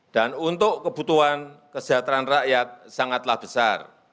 dan untuk kebutuhan kesejahteraan rakyat sangatlah besar